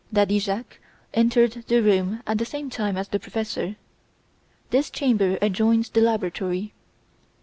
Daddy Jacques entered "The Yellow Room" at the same time as the Professor. This chamber adjoins the laboratory.